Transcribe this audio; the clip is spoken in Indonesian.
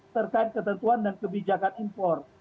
terkait ketentuan dan kebijakan impor